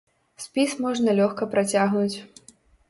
Спіс можна лёгка працягнуць.